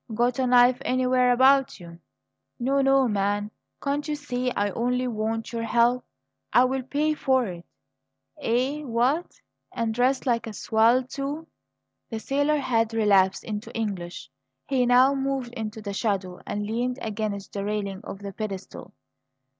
Got a knife anywhere about you?" "No, no, man! Can't you see I only want your help? I'll pay you for it?" "Eh? What? And dressed like a swell, too " The sailor had relapsed into English. He now moved into the shadow and leaned against the railing of the pedestal.